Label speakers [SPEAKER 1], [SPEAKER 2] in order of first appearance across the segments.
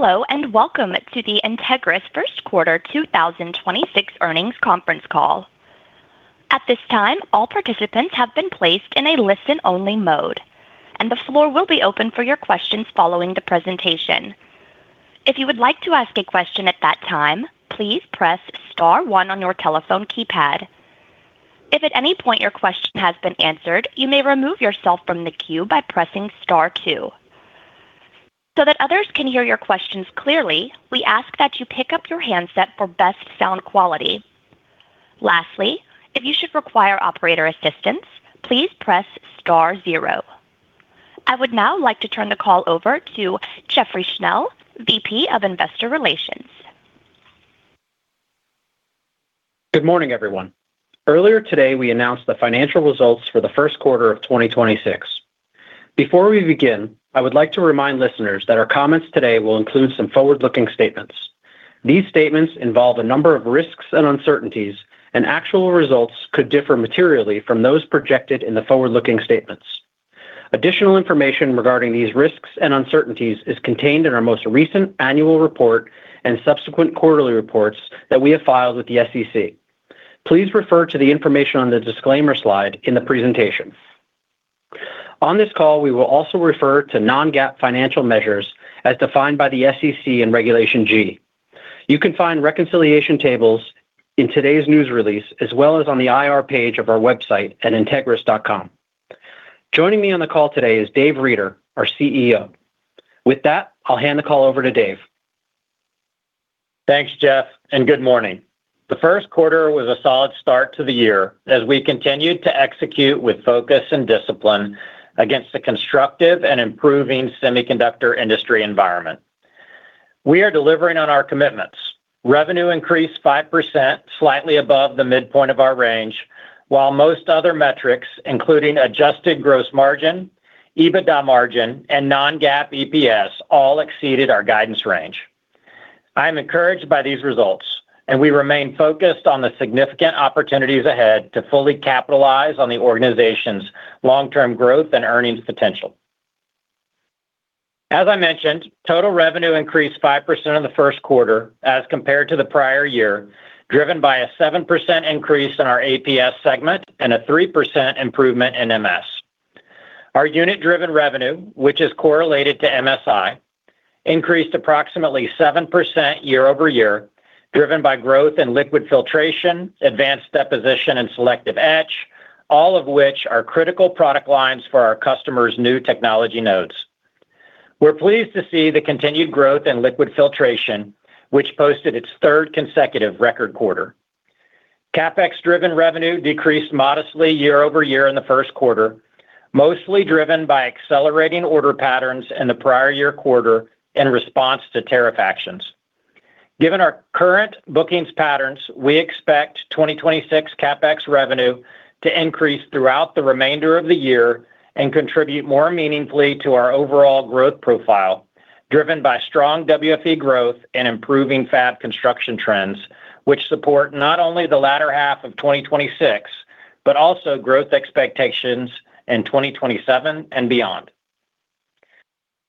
[SPEAKER 1] Hello and welcome to the Entegris First Quarter 2026 Earnings Conference Call. I would now like to turn the call over to Jeffrey Schnell, VP of Investor Relations.
[SPEAKER 2] Good morning, everyone. Earlier today, we announced the financial results for the first quarter of 2026. Before we begin, I would like to remind listeners that our comments today will include some forward-looking statements. These statements involve a number of risks and uncertainties, and actual results could differ materially from those projected in the forward-looking statements. Additional information regarding these risks and uncertainties is contained in our most recent annual report and subsequent quarterly reports that we have filed with the SEC. Please refer to the information on the disclaimer slide in the presentation. On this call, we will also refer to non-GAAP financial measures as defined by the SEC and Regulation G. You can find reconciliation tables in today's news release, as well as on the IR page of our website at entegris.com. Joining me on the call today is Dave Reeder, our CEO. With that, I'll hand the call over to Dave.
[SPEAKER 3] Thanks, Jeff, and good morning. The first quarter was a solid start to the year as we continued to execute with focus and discipline against the constructive and improving semiconductor industry environment. We are delivering on our commitments. Revenue increased 5%, slightly above the midpoint of our range, while most other metrics, including adjusted gross margin, EBITDA margin, and non-GAAP EPS, all exceeded our guidance range. I am encouraged by these results, and we remain focused on the significant opportunities ahead to fully capitalize on the organization's long-term growth and earnings potential. As I mentioned, total revenue increased 5% in the first quarter as compared to the prior year, driven by a 7% increase in our APS segment and a 3% improvement in MS. Our unit-driven revenue, which is correlated to MSI, increased approximately 7% year-over-year, driven by growth in liquid filtration, advanced deposition, and selective etch, all of which are critical product lines for our customers' new technology nodes. We're pleased to see the continued growth in liquid filtration, which posted its third consecutive record quarter. CapEx-driven revenue decreased modestly year-over-year in the first quarter, mostly driven by accelerating order patterns in the prior year quarter in response to tariff actions. Given our current bookings patterns, we expect 2026 CapEx revenue to increase throughout the remainder of the year and contribute more meaningfully to our overall growth profile, driven by strong WFE growth and improving fab construction trends, which support not only the latter half of 2026, but also growth expectations in 2027 and beyond.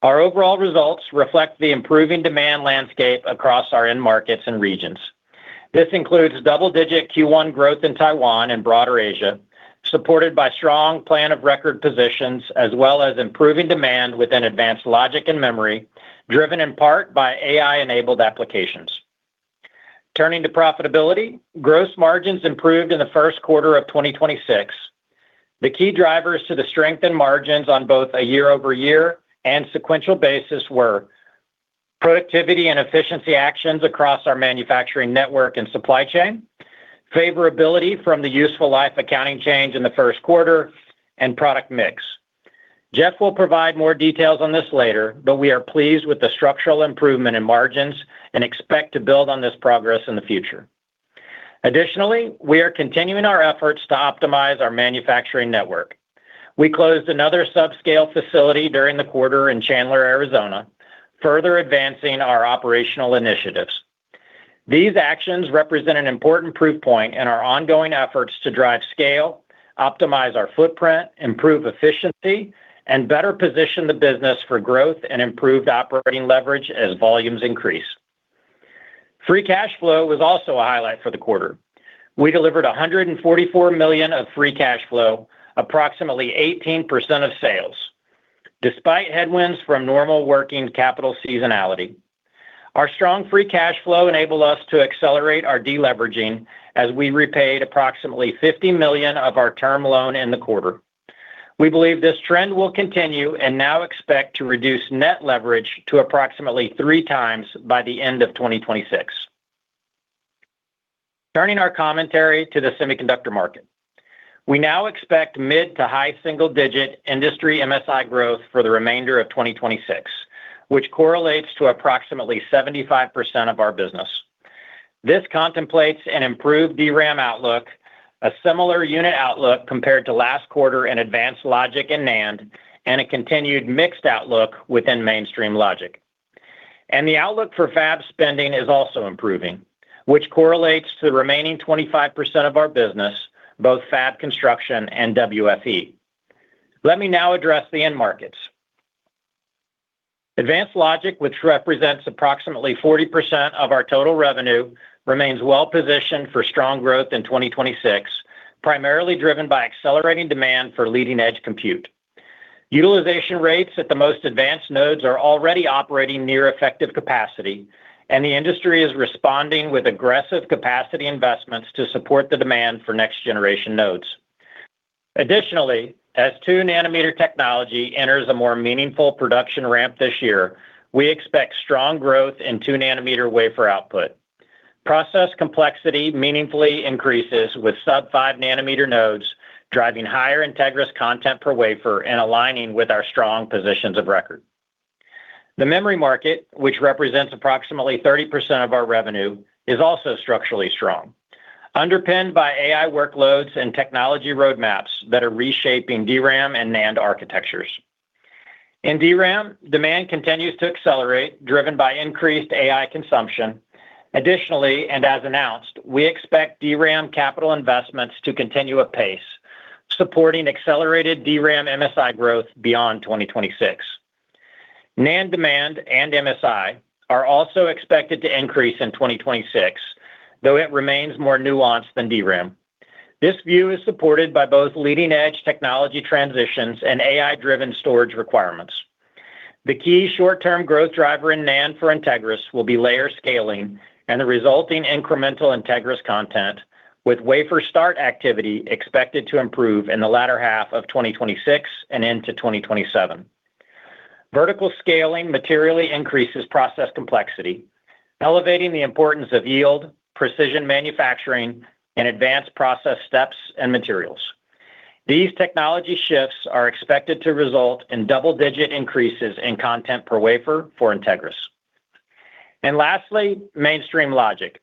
[SPEAKER 3] Our overall results reflect the improving demand landscape across our end markets and regions. This includes double-digit Q1 growth in Taiwan and broader Asia, supported by strong plan of record positions as well as improving demand within advanced logic and memory, driven in part by AI-enabled applications. Turning to profitability, gross margins improved in the first quarter of 2026. The key drivers to the strength in margins on both a year-over-year and sequential basis were productivity and efficiency actions across our manufacturing network and supply chain, favorability from the useful life accounting change in the first quarter, and product mix. Jeff will provide more details on this later, but we are pleased with the structural improvement in margins and expect to build on this progress in the future. Additionally, we are continuing our efforts to optimize our manufacturing network. We closed another subscale facility during the quarter in Chandler, Arizona, further advancing our operational initiatives. These actions represent an important proof point in our ongoing efforts to drive scale, optimize our footprint, improve efficiency, and better position the business for growth and improved operating leverage as volumes increase. Free cash flow was also a highlight for the quarter. We delivered $144 million of free cash flow, approximately 18% of sales, despite headwinds from normal working capital seasonality. Our strong free cash flow enabled us to accelerate our deleveraging as we repaid approximately $50 million of our term loan in the quarter. We believe this trend will continue and now expect to reduce net leverage to approximately 3x by the end of 2026. Turning our commentary to the semiconductor market. We now expect mid-to-high single-digit industry MSI growth for the remainder of 2026, which correlates to approximately 75% of our business. This contemplates an improved DRAM outlook, a similar unit outlook compared to last quarter in advanced logic and NAND, and a continued mixed outlook within mainstream logic. The outlook for fab spending is also improving, which correlates to the remaining 25% of our business, both fab construction and WFE. Let me now address the end markets. Advanced logic, which represents approximately 40% of our total revenue, remains well-positioned for strong growth in 2026, primarily driven by accelerating demand for leading-edge compute. Utilization rates at the most advanced nodes are already operating near effective capacity, the industry is responding with aggressive capacity investments to support the demand for next-generation nodes. Additionally, as 2-nm technology enters a more meaningful production ramp this year, we expect strong growth in 2-nm wafer output. Process complexity meaningfully increases with sub 5-nm nodes, driving higher Entegris content per wafer and aligning with our strong positions of record. The memory market, which represents approximately 30% of our revenue, is also structurally strong, underpinned by AI workloads and technology roadmaps that are reshaping DRAM and NAND architectures. In DRAM, demand continues to accelerate, driven by increased AI consumption. Additionally, and as announced, we expect DRAM capital investments to continue at pace, supporting accelerated DRAM MSI growth beyond 2026. NAND demand and MSI are also expected to increase in 2026, though it remains more nuanced than DRAM. This view is supported by both leading-edge technology transitions and AI-driven storage requirements. The key short-term growth driver in NAND for Entegris will be layer scaling and the resulting incremental Entegris content, with wafer start activity expected to improve in the latter half of 2026 and into 2027. Vertical scaling materially increases process complexity, elevating the importance of yield, precision manufacturing, and advanced process steps and materials. These technology shifts are expected to result in double-digit increases in content per wafer for Entegris. Mainstream logic.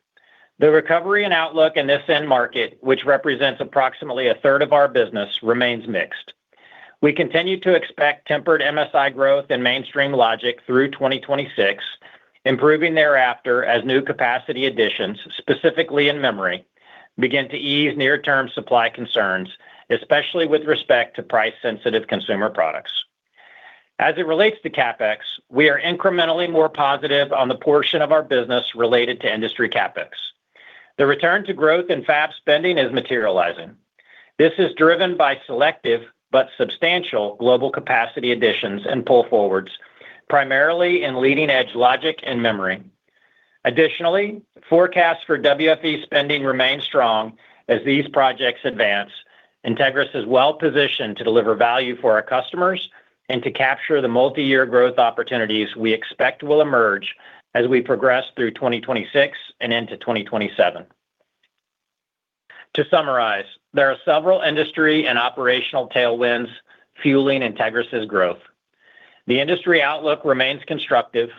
[SPEAKER 3] The recovery and outlook in this end market, which represents approximately 1/3 of our business, remains mixed. We continue to expect tempered MSI growth in mainstream logic through 2026, improving thereafter as new capacity additions, specifically in memory, begin to ease near-term supply concerns, especially with respect to price-sensitive consumer products. As it relates to CapEx, we are incrementally more positive on the portion of our business related to industry CapEx. The return to growth in fab spending is materializing. This is driven by selective but substantial global capacity additions and pull forwards, primarily in leading-edge logic and memory. Forecasts for WFE spending remain strong as these projects advance. Entegris is well-positioned to deliver value for our customers and to capture the multi-year growth opportunities we expect will emerge as we progress through 2026 and into 2027. To summarize, there are several industry and operational tailwinds fueling Entegris' growth. The industry outlook remains constructive.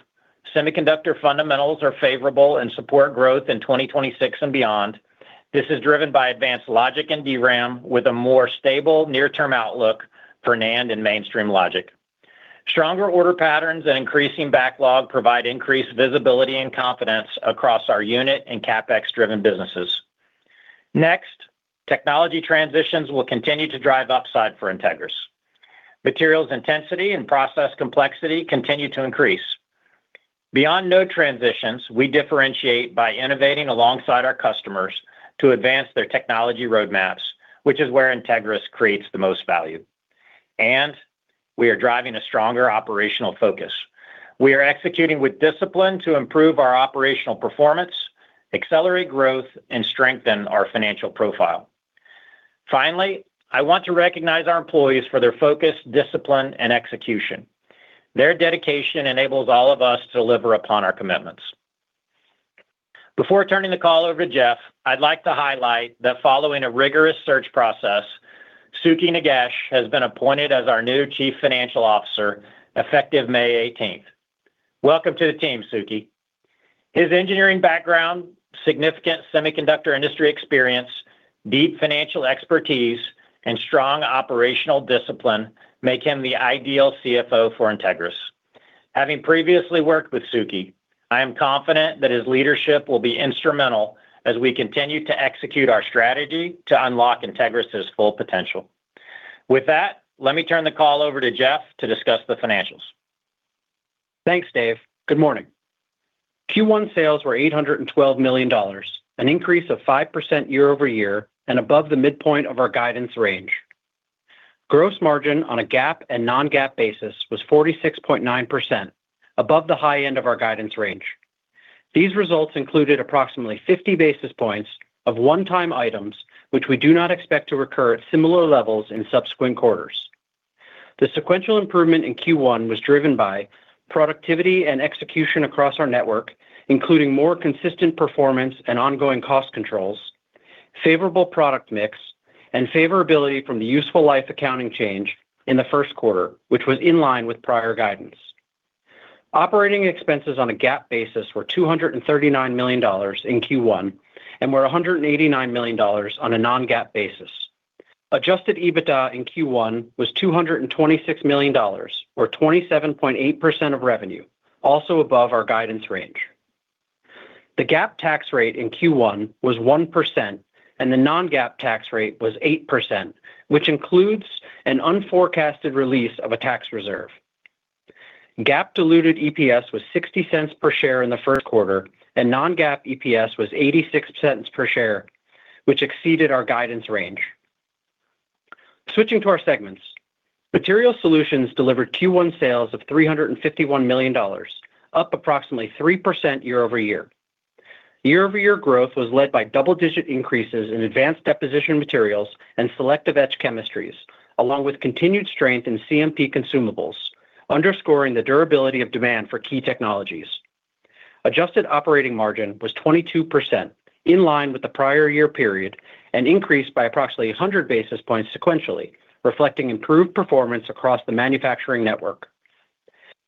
[SPEAKER 3] Semiconductor fundamentals are favorable and support growth in 2026 and beyond. This is driven by advanced logic and DRAM with a more stable near-term outlook for NAND and mainstream logic. Stronger order patterns and increasing backlog provide increased visibility and confidence across our unit and CapEx-driven businesses. Technology transitions will continue to drive upside for Entegris. Materials intensity and process complexity continue to increase. Beyond node transitions, we differentiate by innovating alongside our customers to advance their technology roadmaps, which is where Entegris creates the most value. We are driving a stronger operational focus. We are executing with discipline to improve our operational performance, accelerate growth, and strengthen our financial profile. Finally, I want to recognize our employees for their focus, discipline, and execution. Their dedication enables all of us to deliver upon our commitments. Before turning the call over to Jeff, I'd like to highlight that following a rigorous search process, Sukhi Nagesh has been appointed as our new Chief Financial Officer effective May 18th. Welcome to the team, Sukhi. His engineering background, significant semiconductor industry experience, deep financial expertise, and strong operational discipline make him the ideal CFO for Entegris. Having previously worked with Sukhi, I am confident that his leadership will be instrumental as we continue to execute our strategy to unlock Entegris' full potential. With that, let me turn the call over to Jeff to discuss the financials.
[SPEAKER 2] Thanks, Dave. Good morning. Q1 sales were $812 million, an increase of 5% year-over-year and above the midpoint of our guidance range. Gross margin on a GAAP and non-GAAP basis was 46.9%, above the high end of our guidance range. These results included approximately 50 basis points of one-time items, which we do not expect to recur at similar levels in subsequent quarters. The sequential improvement in Q1 was driven by productivity and execution across our network, including more consistent performance and ongoing cost controls, favorable product mix, and favorability from the useful life accounting change in the first quarter, which was in line with prior guidance. Operating expenses on a GAAP basis were $239 million in Q1 and were $189 million on a non-GAAP basis. Adjusted EBITDA in Q1 was $226 million, or 27.8% of revenue, also above our guidance range. The GAAP tax rate in Q1 was 1% and the non-GAAP tax rate was 8%, which includes an unforecasted release of a tax reserve. GAAP diluted EPS was $0.60 per share in the first quarter, and non-GAAP EPS was $0.86 per share, which exceeded our guidance range. Switching to our segments. Materials Solutions delivered Q1 sales of $351 million, up approximately 3% year-over-year. Year-over-year growth was led by double-digit increases in advanced deposition materials and selective etch chemistries, along with continued strength in CMP consumables, underscoring the durability of demand for key technologies. Adjusted operating margin was 22%, in line with the prior year period, and increased by approximately 100 basis points sequentially, reflecting improved performance across the manufacturing network.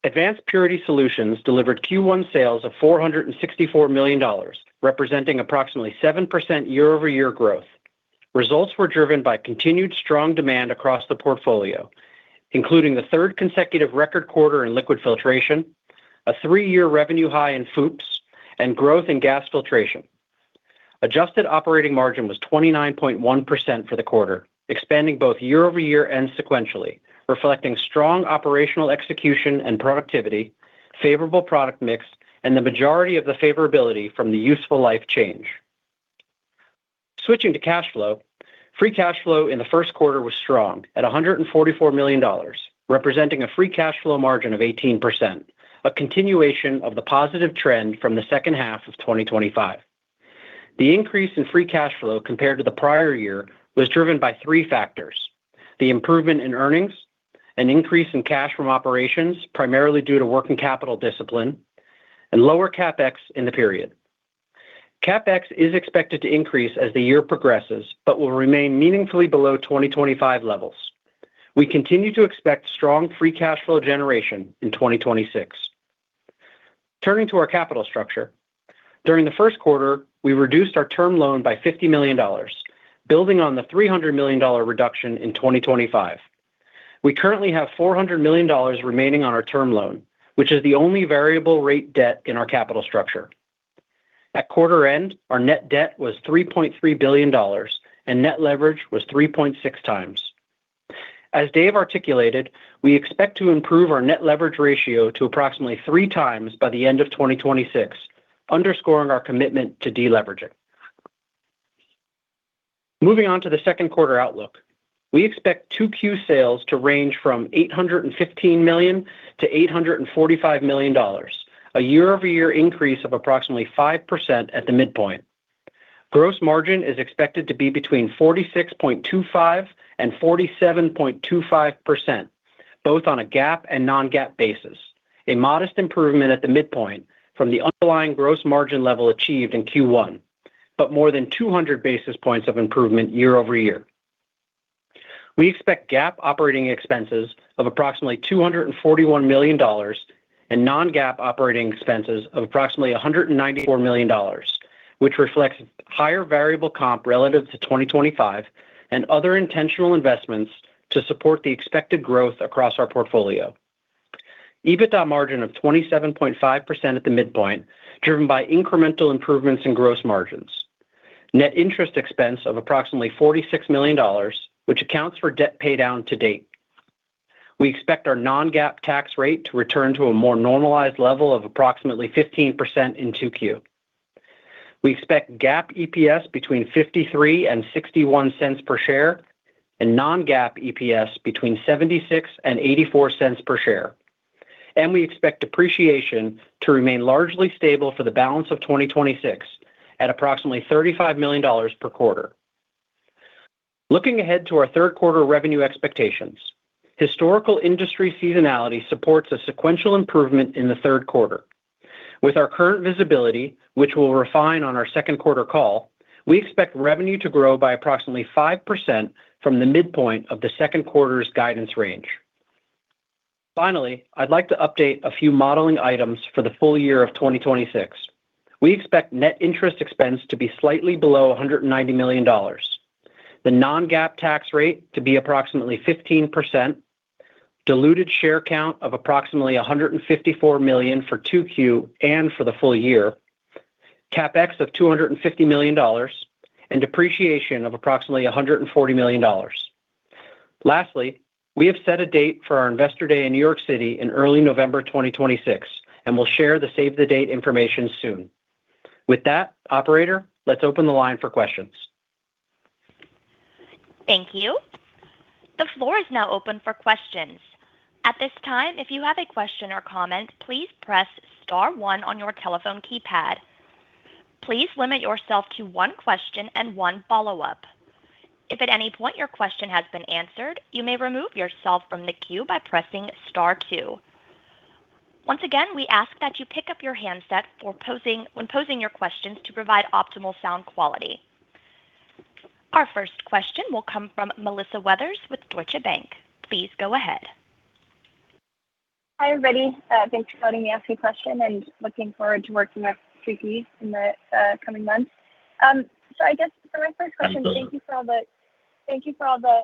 [SPEAKER 2] Advanced Planarization Solutions delivered Q1 sales of $464 million, representing approximately 7% year-over-year growth. Results were driven by continued strong demand across the portfolio, including the third consecutive record quarter in liquid filtration, a three-year revenue high in FOUPs, and growth in gas filtration. Adjusted operating margin was 29.1% for the quarter, expanding both year-over-year and sequentially, reflecting strong operational execution and productivity, favorable product mix, and the majority of the favorability from the useful life change. Switching to cash flow. Free cash flow in the first quarter was strong at $144 million, representing a free cash flow margin of 18%, a continuation of the positive trend from the second half of 2025. The increase in free cash flow compared to the prior year was driven by three factors: the improvement in earnings, an increase in cash from operations, primarily due to working capital discipline, and lower CapEx in the period. CapEx is expected to increase as the year progresses but will remain meaningfully below 2025 levels. We continue to expect strong free cash flow generation in 2026. Turning to our capital structure. During the first quarter, we reduced our term loan by $50 million, building on the $300 million reduction in 2025. We currently have $400 million remaining on our term loan, which is the only variable rate debt in our capital structure. At quarter end, our net debt was $3.3 billion and net leverage was 3.6x. As Dave articulated, we expect to improve our net leverage ratio to approximately 3x by the end of 2026, underscoring our commitment to deleveraging. Moving on to the second quarter outlook. We expect 2Q sales to range from $815 million-$845 million, a year-over-year increase of approximately 5% at the midpoint. Gross margin is expected to be between 46.25% and 47.25%, both on a GAAP and non-GAAP basis, a modest improvement at the midpoint from the underlying gross margin level achieved in Q1, but more than 200 basis points of improvement year-over-year. We expect GAAP operating expenses of approximately $241 million and non-GAAP operating expenses of approximately $194 million, which reflects higher variable comp relative to 2025 and other intentional investments to support the expected growth across our portfolio. EBITDA margin of 27.5% at the midpoint, driven by incremental improvements in gross margins. Net interest expense of approximately $46 million, which accounts for debt paydown to date. We expect our non-GAAP tax rate to return to a more normalized level of approximately 15% in 2Q. We expect GAAP EPS between $0.53 and $0.61 per share and non-GAAP EPS between $0.76 and $0.84 per share. We expect depreciation to remain largely stable for the balance of 2026 at approximately $35 million per quarter. Looking ahead to our third quarter revenue expectations. Historical industry seasonality supports a sequential improvement in the third quarter. With our current visibility, which we'll refine on our second quarter call, we expect revenue to grow by approximately 5% from the midpoint of the second quarter's guidance range. Finally, I'd like to update a few modeling items for the full year of 2026. We expect net interest expense to be slightly below $190 million, the non-GAAP tax rate to be approximately 15%, diluted share count of approximately 154 million for 2Q and for the full year, CapEx of $250 million, and depreciation of approximately $140 million. Lastly, we have set a date for our Investor Day in New York City in early November 2026, and we'll share the save the date information soon. With that, operator, let's open the line for questions.
[SPEAKER 1] Our first question will come from Melissa Weathers with Deutsche Bank. Please go ahead.
[SPEAKER 4] Hi, everybody. Thanks for letting me ask you a question. Looking forward to working with you guys in the coming months. I guess for my first question.
[SPEAKER 3] Absolutely
[SPEAKER 4] Thank you for all the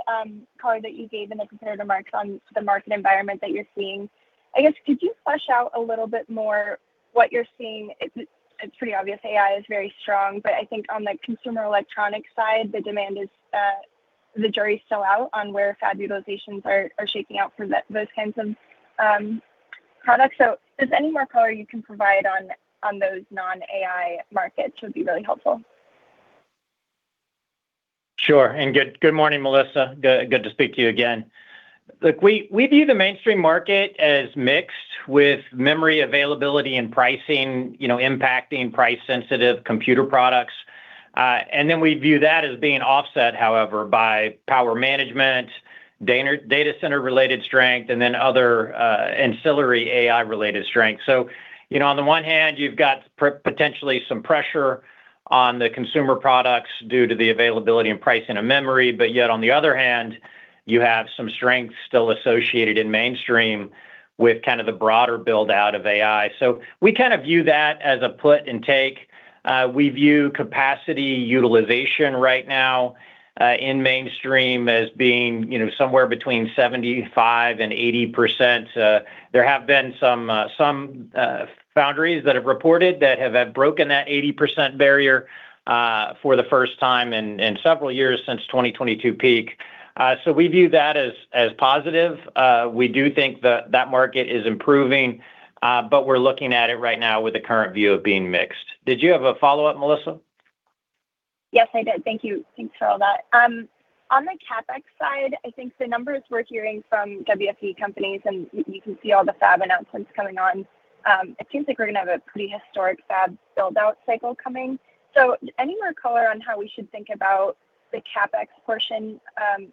[SPEAKER 4] color that you gave in the comparative marks on the market environment that you're seeing. Could you flesh out a little bit more what you're seeing? It's, it's pretty obvious AI is very strong, but I think on the consumer electronic side, the demand is, the jury is still out on where fab utilizations are shaking out for those kinds of products. Just any more color you can provide on those non-AI markets would be really helpful.
[SPEAKER 3] Sure. Good morning, Melissa. Good to speak to you again. Look, we view the mainstream market as mixed with memory availability and pricing, you know, impacting price sensitive computer products. We view that as being offset, however, by power management, data center related strength, and then other ancillary AI related strength. You know, on the one hand, you've got potentially some pressure on the consumer products due to the availability and pricing of memory, but yet on the other hand, you have some strength still associated in mainstream with kind of the broader build-out of AI. We kind of view that as a put and take. We view capacity utilization right now in mainstream as being, you know, somewhere between 75% and 80%. There have been some foundries that have reported that have broken that 80% barrier for the first time in several years since 2022 peak. We view that as positive. We do think that that market is improving. We're looking at it right now with the current view of being mixed. Did you have a follow-up, Melissa?
[SPEAKER 4] Yes, I did. Thank you. Thanks for all that. On the CapEx side, I think the numbers we're hearing from WFE companies, and you can see all the fab announcements coming on, it seems like we're gonna have a pretty historic fab build-out cycle coming. Any more color on how we should think about the CapEx portion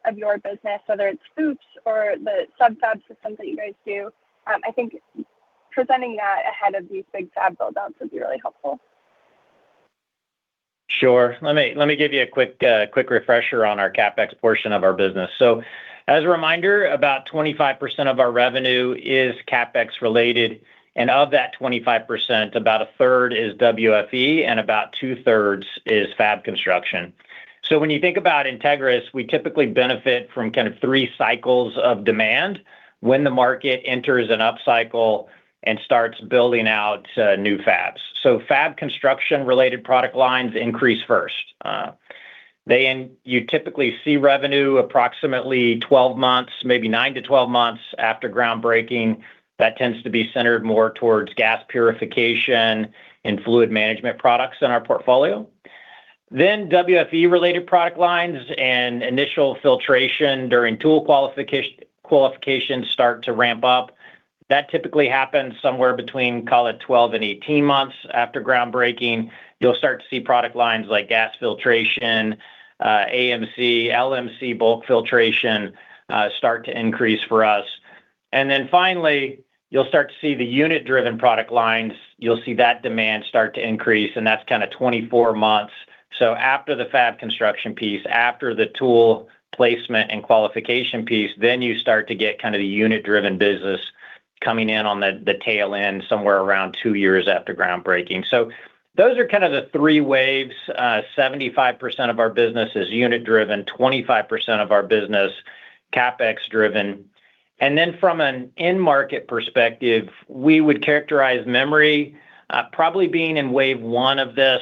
[SPEAKER 4] of your business, whether it's FOUPs or the sub fab systems that you guys do. I think presenting that ahead of these big fab build-outs would be really helpful.
[SPEAKER 3] Sure. Let me give you a quick refresher on our CapEx portion of our business. As a reminder, about 25% of our revenue is CapEx related, and of that 25%, about 1/3 is WFE and about 2/3 is fab construction. When you think about Entegris, we typically benefit from kind of three cycles of demand when the market enters an upcycle and starts building out, new fabs. Fab construction related product lines increase first. You typically see revenue approximately 12 months, maybe nine to 12 months after groundbreaking. That tends to be centered more towards gas purification and fluid management products in our portfolio. WFE related product lines and initial filtration during tool qualification start to ramp up. That typically happens somewhere between, call it, 12 and 18 months after groundbreaking. You'll start to see product lines like gas filtration, AMC, LMC bulk filtration, start to increase for us. You'll start to see the unit-driven product lines. You'll see that demand start to increase, and that's kind of 24 months. After the fab construction piece, after the tool placement and qualification piece, then you start to get kind of the unit-driven business coming in on the tail end somewhere around two years after groundbreaking. Those are kind of the three waves. 75% of our business is unit driven, 25% of our business, CapEx driven. From an end market perspective, we would characterize memory, probably being in wave one of this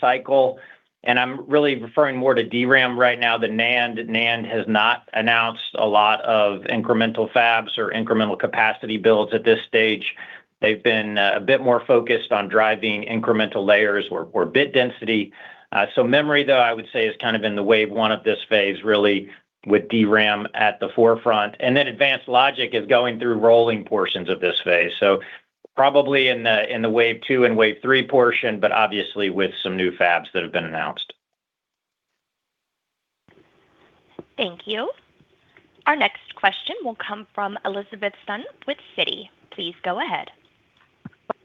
[SPEAKER 3] cycle, and I'm really referring more to DRAM right now than NAND. NAND has not announced a lot of incremental fabs or incremental capacity builds at this stage. They've been a bit more focused on driving incremental layers or bit density. Memory, though, I would say, is kind of in the wave one of this phase, really with DRAM at the forefront. Advanced logic is going through rolling portions of this phase. Probably in the wave two and wave three portion, but obviously with some new fabs that have been announced.
[SPEAKER 1] Thank you. Our next question will come from Elizabeth Sun with Citi. Please go ahead.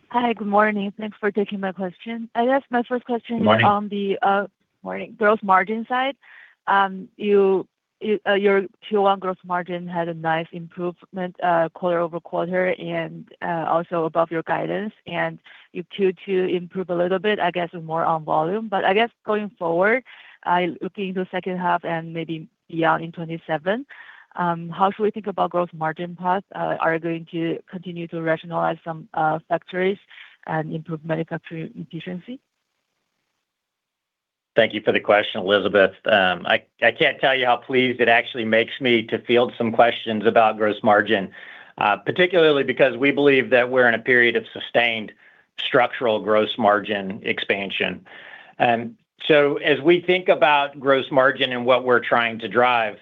[SPEAKER 5] Hi, good morning. Thanks for taking my question.
[SPEAKER 3] Good morning.
[SPEAKER 5] I guess my first question is on the gross margin side. Your Q1 gross margin had a nice improvement quarter-over-quarter and also above your guidance, and you Q2 improve a little bit, I guess, more on volume. I guess going forward, looking into second half and maybe beyond in 2027, how should we think about gross margin path? Are going to continue to rationalize some factories and improve manufacturing efficiency?
[SPEAKER 3] Thank you for the question, Christopher Danely. I can't tell you how pleased it actually makes me to field some questions about gross margin, particularly because we believe that we're in a period of sustained structural gross margin expansion. As we think about gross margin and what we're trying to drive,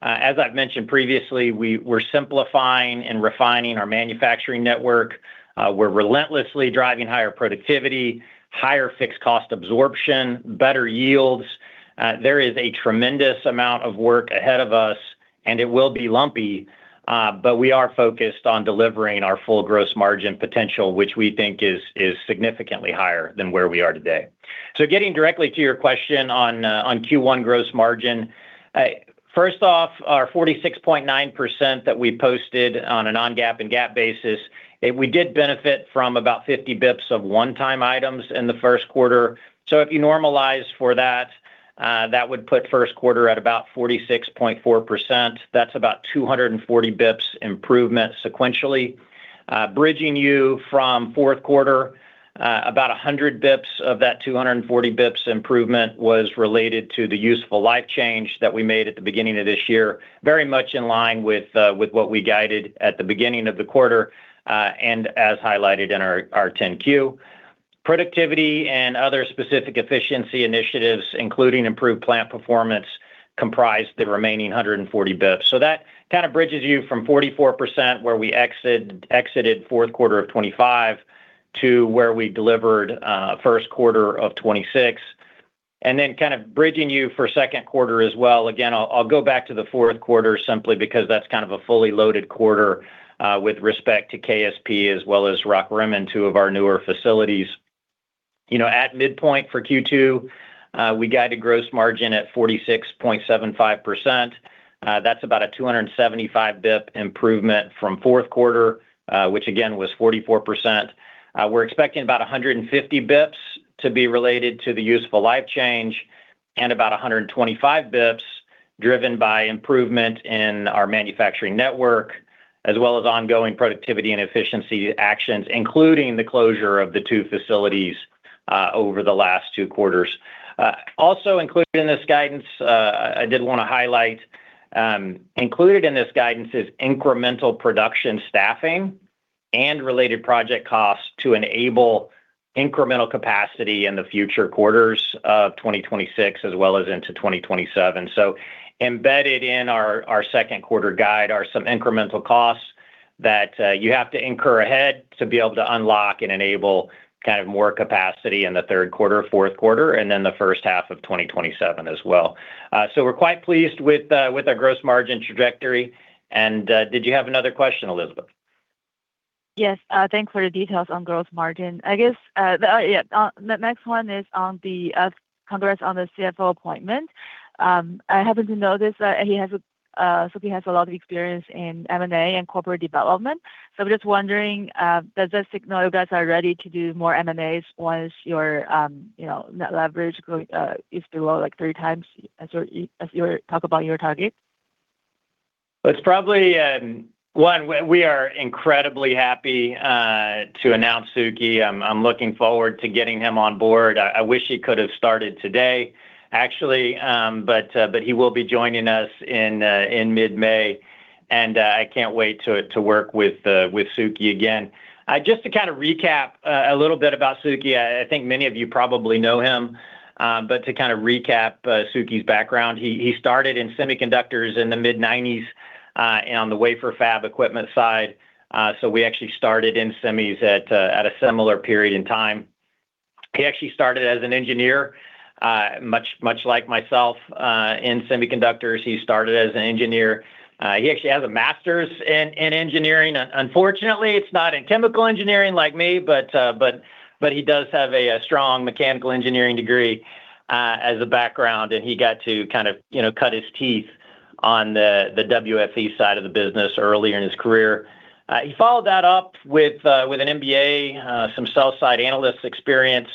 [SPEAKER 3] as I've mentioned previously, we're simplifying and refining our manufacturing network. We're relentlessly driving higher productivity, higher fixed cost absorption, better yields. There is a tremendous amount of work ahead of us, and it will be lumpy, but we are focused on delivering our full gross margin potential, which we think is significantly higher than where we are today. Getting directly to your question on Q1 gross margin, First off, our 46.9% that we posted on a non-GAAP and GAAP basis, we did benefit from about 50 basis points of one-time items in the first quarter. If you normalize for that would put first quarter at about 46.4%. That's about 240 basis points improvement sequentially. Bridging you from fourth quarter, about 100 basis points of that 240 basis points improvement was related to the useful life change that we made at the beginning of this year. Very much in line with what we guided at the beginning of the quarter, and as highlighted in our 10-Q. Productivity and other specific efficiency initiatives, including improved plant performance, comprised the remaining 140 basis points. That kind of bridges you from 44%, where we exited fourth quarter of 2025, to where we delivered first quarter of 2026. Then kind of bridging you for second quarter as well. I'll go back to the fourth quarter simply because that's kind of a fully loaded quarter with respect to KSP as well as Rockrimmon, two of our newer facilities. You know, at midpoint for Q2, we guided gross margin at 46.75%. That's about a 275 basis points improvement from fourth quarter, which again was 44%. We're expecting about 150 basis points to be related to the useful life change and about 125 basis points driven by improvement in our manufacturing network as well as ongoing productivity and efficiency actions, including the closure of the two facilities over the last two quarters. Also included in this guidance, I did want to highlight, included in this guidance is incremental production staffing and related project costs to enable incremental capacity in the future quarters of 2026 as well as into 2027. Embedded in our second quarter guide are some incremental costs that you have to incur ahead to be able to unlock and enable kind of more capacity in the third quarter, fourth quarter, and then the first half of 2027 as well. We're quite pleased with our gross margin trajectory. Did you have another question, Elizabeth?
[SPEAKER 5] Yes. Thanks for the details on gross margin. I guess, the next one is on the congrats on the CFO appointment. I happen to know this, that he has a lot of experience in M&A and corporate development. I'm just wondering, does this signal you guys are ready to do more M&As once your, you know, net leverage going, is below like 3x as your talk about your target?
[SPEAKER 3] It's probably one, we are incredibly happy to announce Sukhi. I'm looking forward to getting him on board. I wish he could have started today, actually, he will be joining us in mid-May, and I can't wait to work with Sukhi again. Just to kind of recap a little bit about Sukhi. I think many of you probably know him, to kind of recap Sukhi's background, he started in semiconductors in the mid-1990s, and on the wafer fab equipment side. We actually started in semis at a similar period in time. He actually started as an engineer, much like myself, in semiconductors. He started as an engineer. He actually has a master's in engineering. Unfortunately, it's not in chemical engineering like me, but he does have a strong mechanical engineering degree as a background, and he got to kind of, you know, cut his teeth on the WFE side of the business early in his career. He followed that up with an MBA, some sell-side analyst experience,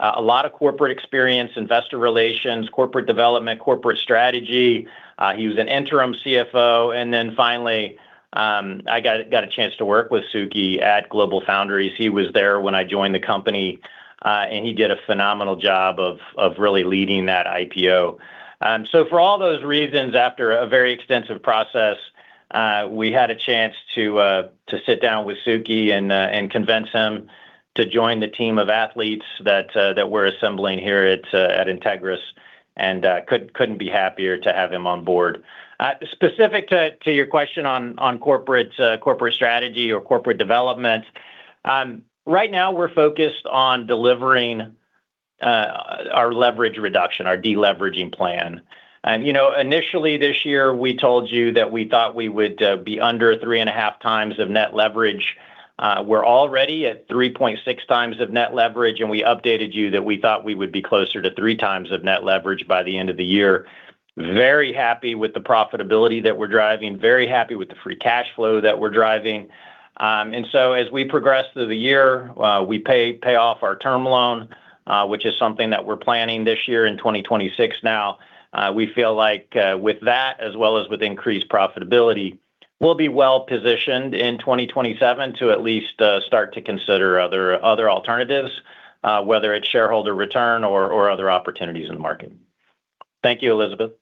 [SPEAKER 3] a lot of corporate experience, investor relations, corporate development, corporate strategy. He was an interim CFO. Finally, I got a chance to work with Sukhi at GlobalFoundries. He was there when I joined the company, and he did a phenomenal job of really leading that IPO. For all those reasons, after a very extensive process, we had a chance to sit down with Sukhi and convince him to join the team of athletes that we're assembling here at Entegris, couldn't be happier to have him on board. Specific to your question on corporate strategy or corporate development, right now we're focused on delivering our leverage reduction, our deleveraging plan. You know, initially this year, we told you that we thought we would be under 3.5x of net leverage. We're already at 3.6x of net leverage, and we updated you that we thought we would be closer to 3x of net leverage by the end of the year. Very happy with the profitability that we're driving, very happy with the free cash flow that we're driving. As we progress through the year, we pay off our term loan, which is something that we're planning this year in 2026 now. We feel like, with that, as well as with increased profitability, we'll be well positioned in 2027 to at least start to consider other alternatives, whether it's shareholder return or other opportunities in the market. Thank you, Elizabeth.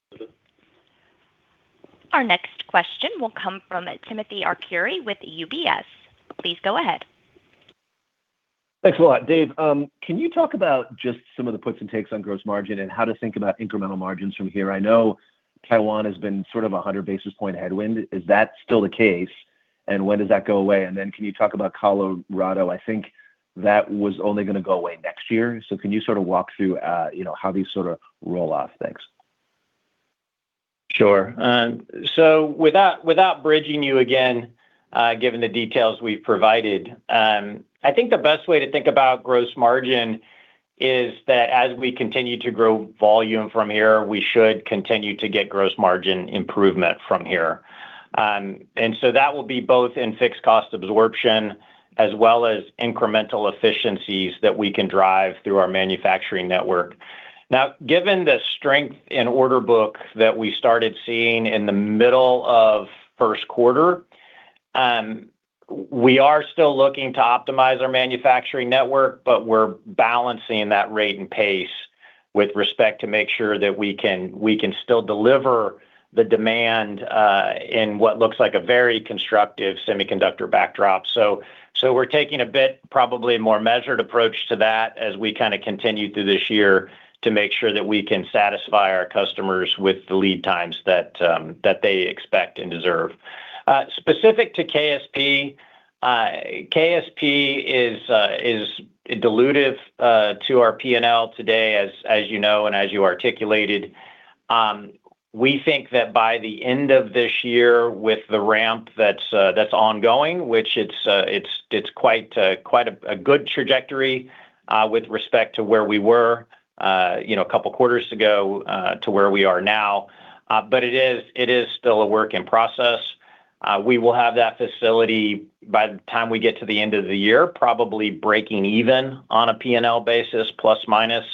[SPEAKER 1] Our next question will come from Timothy Arcuri with UBS. Please go ahead.
[SPEAKER 6] Thanks a lot. Dave, can you talk about just some of the puts and takes on gross margin and how to think about incremental margins from here? I know Taiwan has been sort of a 100 basis point headwind. Is that still the case? When does that go away? Can you talk about Colorado? I think that was only gonna go away next year. Can you sort of walk through, you know, how these sort of roll off? Thanks.
[SPEAKER 3] Sure. Without bridging you again, given the details we've provided, I think the best way to think about gross margin is that as we continue to grow volume from here, we should continue to get gross margin improvement from here. That will be both in fixed cost absorption as well as incremental efficiencies that we can drive through our manufacturing network. Now, given the strength in order book that we started seeing in the middle of first quarter, we are still looking to optimize our manufacturing network, but we're balancing that rate and pace with respect to make sure that we can still deliver the demand in what looks like a very constructive semiconductor backdrop. We're taking a bit probably more measured approach to that as we kinda continue through this year to make sure that we can satisfy our customers with the lead times that they expect and deserve. Specific to KSP is dilutive to our P&L today, as you know and as you articulated. We think that by the end of this year with the ramp that's ongoing, which it's quite a good trajectory with respect to where we were, you know, a couple quarters ago, to where we are now. It is still a work in process. We will have that facility by the time we get to the end of the year, probably breaking even on a P&L basis, plus, minus.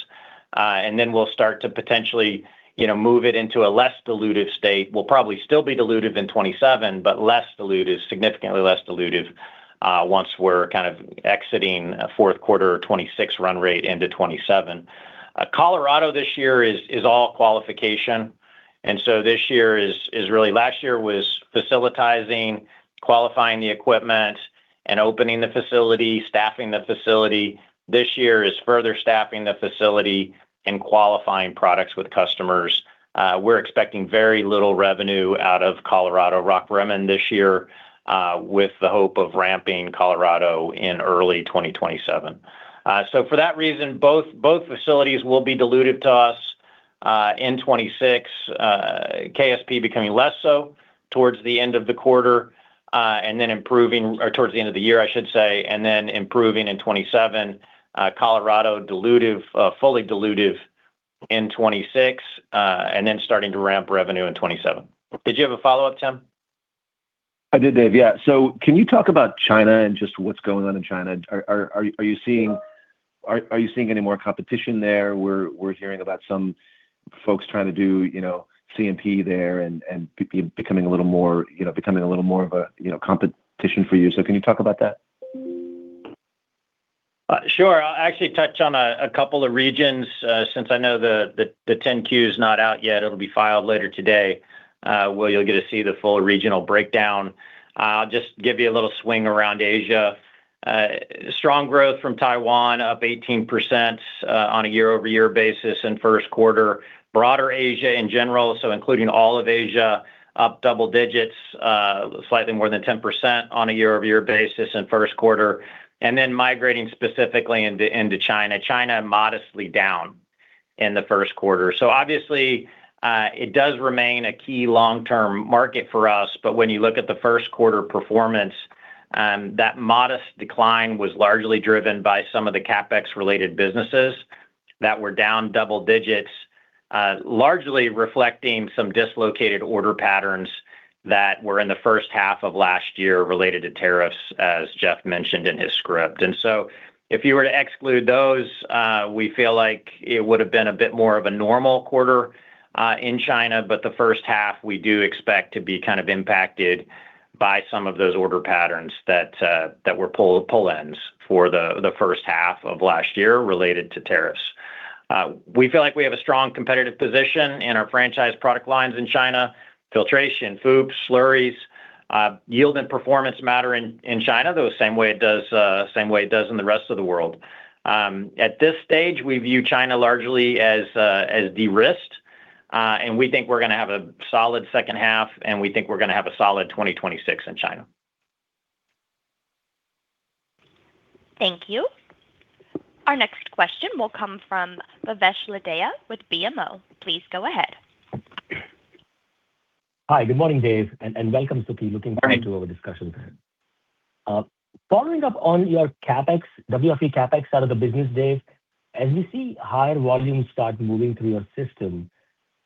[SPEAKER 3] We'll start to potentially, you know, move it into a less dilutive state. We'll probably still be dilutive in 2027, but less dilutive, significantly less dilutive, once we're kind of exiting a fourth quarter 2026 run rate into 2027. Colorado this year is all qualification, last year was facilitizing, qualifying the equipment, and opening the facility, staffing the facility. This year is further staffing the facility and qualifying products with customers. We're expecting very little revenue out of Colorado Rockrimmon this year, with the hope of ramping Colorado in early 2027. For that reason, both facilities will be dilutive to us in 2026, KSP becoming less so towards the end of the quarter, or towards the end of the year, I should say and then improving in 2027. Colorado dilutive, fully dilutive in 2026, and then starting to ramp revenue in 2027. Did you have a follow-up, Tim?
[SPEAKER 6] I did, Dave. Yeah. Can you talk about China and just what's going on in China? Are you seeing any more competition there? We're hearing about some folks trying to do, you know, CMP there and becoming a little more of a, you know, competition for you. Can you talk about that?
[SPEAKER 3] Sure. I'll actually touch on a couple of regions, since I know the 10-Q is not out yet. It'll be filed later today, where you'll get to see the full regional breakdown. I'll just give you a little swing around Asia. Strong growth from Taiwan, up 18% on a year-over-year basis in first quarter. Broader Asia in general, including all of Asia, up double digits, slightly more than 10% on a year-over-year basis in first quarter. Migrating specifically into China. China modestly down in the first quarter. Obviously, it does remain a key long-term market for us. When you look at the first quarter performance, that modest decline was largely driven by some of the CapEx-related businesses that were down double-digits, largely reflecting some dislocated order patterns that were in the first half of last year related to tariffs, as Jeff mentioned in his script. If you were to exclude those, we feel like it would have been a bit more of a normal quarter in China. The first half, we do expect to be kind of impacted by some of those order patterns that were pull ends for the first half of last year related to tariffs. We feel like we have a strong competitive position in our franchise product lines in China, filtration, FOUPs, slurries. Yield and performance matter in China, though the same way it does, same way it does in the rest of the world. At this stage, we view China largely as de-risked, and we think we're gonna have a solid second half, and we think we're gonna have a solid 2026 in China.
[SPEAKER 1] Thank you. Our next question will come from Bhavesh Lodaya with BMO. Please go ahead.
[SPEAKER 7] Hi, good morning, Dave, and welcome, Sukhi.
[SPEAKER 3] Hi.
[SPEAKER 7] Looking forward to our discussion. Following up on your CapEx, WFE CapEx out of the business, Dave. As we see higher volumes start moving through your system,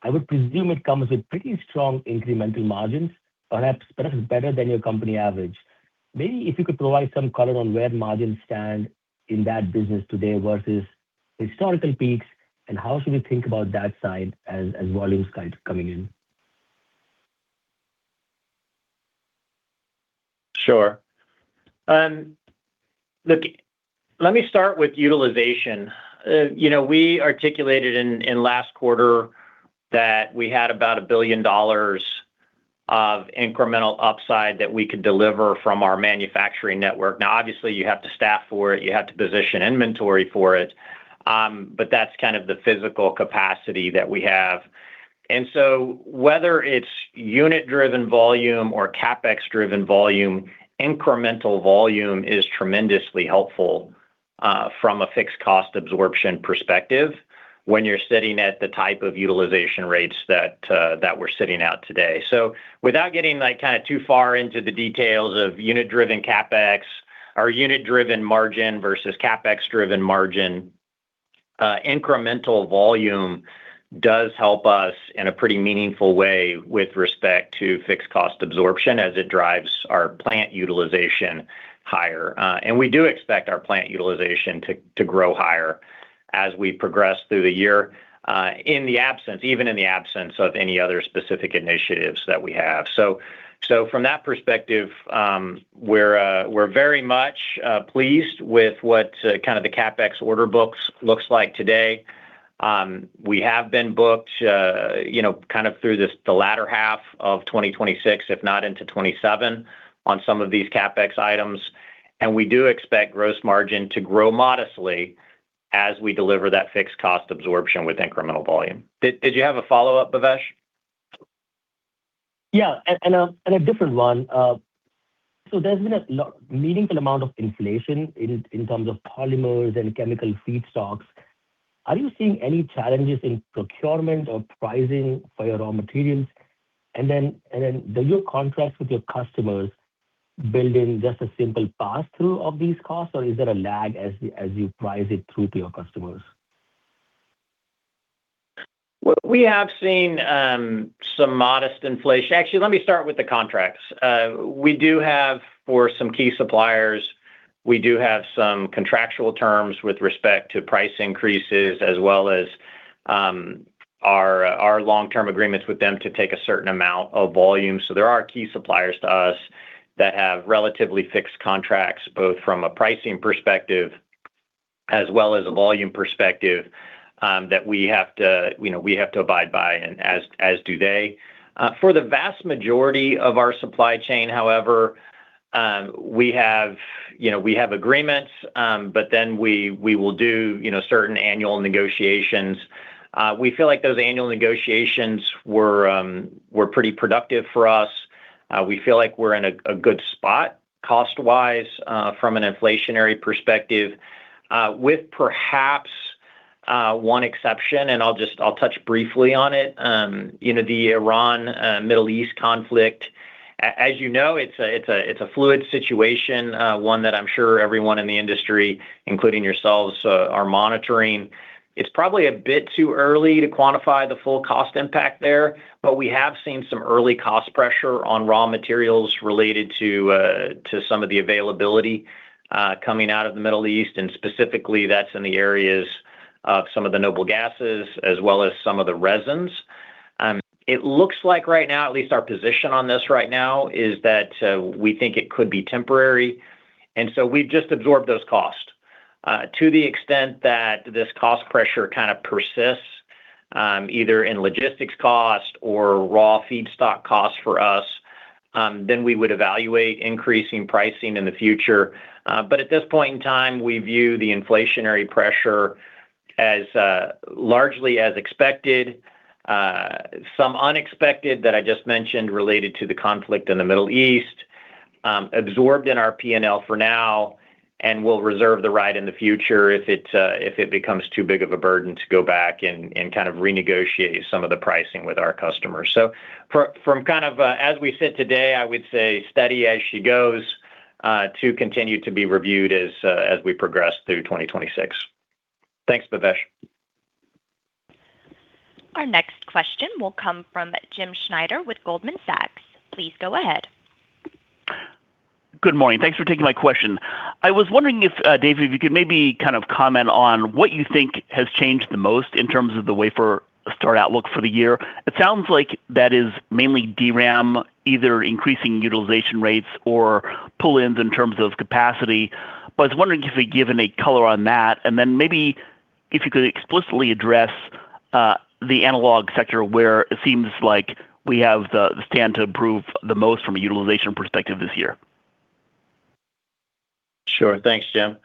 [SPEAKER 7] I would presume it comes with pretty strong incremental margins, perhaps better than your company average. Maybe if you could provide some color on where margins stand in that business today versus historical peaks, and how should we think about that side as volumes kind of coming in?
[SPEAKER 3] Sure. Look, let me start with utilization. You know, we articulated in last quarter that we had about $1 billion of incremental upside that we could deliver from our manufacturing network. Now, obviously, you have to staff for it, you have to position inventory for it, but that's kind of the physical capacity that we have. Whether it's unit-driven volume or CapEx-driven volume, incremental volume is tremendously helpful from a fixed cost absorption perspective. When you're sitting at the type of utilization rates that we're sitting at today. Without getting, like, kind of too far into the details of unit-driven CapEx or unit-driven margin versus CapEx-driven margin, incremental volume does help us in a pretty meaningful way with respect to fixed cost absorption as it drives our plant utilization higher. We do expect our plant utilization to grow higher as we progress through the year, even in the absence of any other specific initiatives that we have. From that perspective, we're very much pleased with what kind of the CapEx order books looks like today. We have been booked, you know, kind of through this, the latter half of 2026, if not into 2027, on some of these CapEx items. We do expect gross margin to grow modestly as we deliver that fixed cost absorption with incremental volume. Did you have a follow-up, Bhavesh?
[SPEAKER 7] Yeah, and a different one. There's been a meaningful amount of inflation in terms of polymers and chemical feedstocks. Are you seeing any challenges in procurement or pricing for your raw materials? Then do your contracts with your customers build in just a simple pass-through of these costs, or is there a lag as you price it through to your customers?
[SPEAKER 3] We have seen some modest inflation. Actually, let me start with the contracts. We do have for some key suppliers, we do have some contractual terms with respect to price increases, as well as our long-term agreements with them to take a certain amount of volume. There are key suppliers to us that have relatively fixed contracts, both from a pricing perspective as well as a volume perspective, that we have to, you know, we have to abide by and as do they. For the vast majority of our supply chain, however, we have, you know, we have agreements, we will do, you know, certain annual negotiations. We feel like those annual negotiations were pretty productive for us. We feel like we're in a good spot cost-wise from an inflationary perspective with perhaps one exception, I'll touch briefly on it. You know, the Iran and Middle East conflict. As you know, it's a fluid situation, one that I'm sure everyone in the industry, including yourselves, are monitoring. It's probably a bit too early to quantify the full cost impact there, but we have seen some early cost pressure on raw materials related to some of the availability coming out of the Middle East, and specifically that's in the areas of some of the noble gases as well as some of the resins. It looks like right now, at least our position on this right now is that we think it could be temporary, we've just absorbed those costs. To the extent that this cost pressure kind of persists, either in logistics costs or raw feedstock costs for us, we would evaluate increasing pricing in the future. At this point in time, we view the inflationary pressure as largely as expected. Some unexpected that I just mentioned related to the conflict in the Middle East, absorbed in our P&L for now, we'll reserve the right in the future if it becomes too big of a burden to go back and kind of renegotiate some of the pricing with our customers. From kind of, as we sit today, I would say steady as she goes, to continue to be reviewed as we progress through 2026. Thanks, Bhavesh.
[SPEAKER 1] Our next question will come from Jim Schneider with Goldman Sachs. Please go ahead.
[SPEAKER 8] Good morning. Thanks for taking my question. I was wondering if Dave, if you could maybe kind of comment on what you think has changed the most in terms of the wafer start outlook for the year. It sounds like that is mainly DRAM, either increasing utilization rates or pull-ins in terms of capacity. I was wondering if you've given a color on that, and then maybe if you could explicitly address the analog sector where it seems like we have the stand to improve the most from a utilization perspective this year.
[SPEAKER 3] Sure. Thanks, Jim.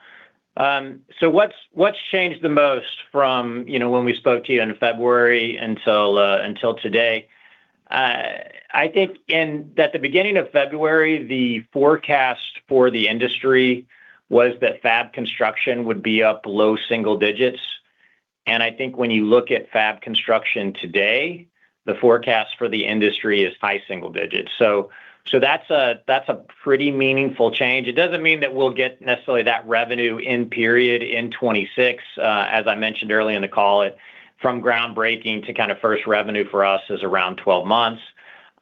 [SPEAKER 3] What's changed the most from, you know, when we spoke to you in February until today? I think at the beginning of February, the forecast for the industry was that fab construction would be up low single digits. I think when you look at fab construction today, the forecast for the industry is high single digits. That's a pretty meaningful change. It doesn't mean that we'll get necessarily that revenue in period in 2026. As I mentioned early in the call, from groundbreaking to kind of first revenue for us is around 12 months.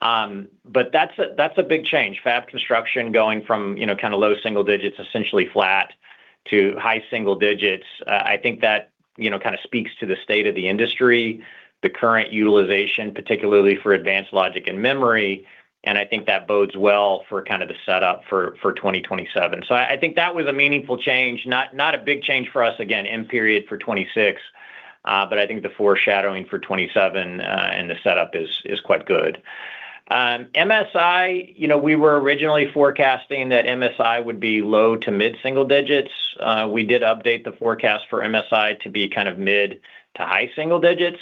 [SPEAKER 3] That's a big change. Fab construction going from, you know, kind of low single digits, essentially flat, to high single digits. I think that, you know, kind of speaks to the state of the industry, the current utilization, particularly for advanced logic and memory, and I think that bodes well for kind of the setup for 2027. I think that was a meaningful change, not a big change for us, again, in period for 2026, but I think the foreshadowing for 2027, and the setup is quite good. MSI, you know, we were originally forecasting that MSI would be low to mid-single digits. We did update the forecast for MSI to be kind of mid to high single digits.